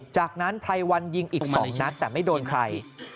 จากนั้นไพรวันยิงอีก๒นัดแต่ไม่โดนใคร